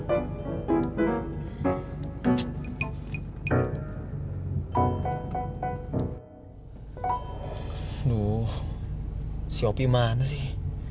aduh si opi mana sih